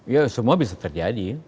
ya semua bisa terjadi